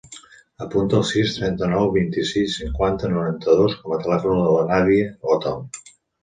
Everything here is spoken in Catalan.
Apunta el sis, trenta-nou, vint-i-sis, cinquanta, noranta-dos com a telèfon de la Nàdia Otal.